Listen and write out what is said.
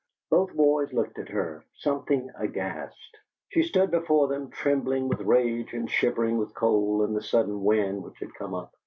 Both boys looked at her, something aghast. She stood before them, trembling with rage and shivering with cold in the sudden wind which had come up.